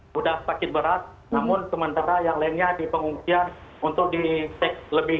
sudah sakit berat namun sementara yang lainnya dipengungsian untuk di cek lebih